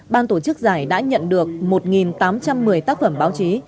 ban tổ chức giải đã nhận được một tám trăm một mươi tác phẩm báo chí